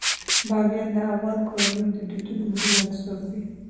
بامیان د افغان کورنیو د دودونو مهم عنصر دی.